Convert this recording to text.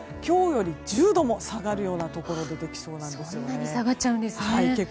今日より１０度も下がるようなところが出てきそうなんですね。